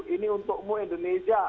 ini untukmu indonesia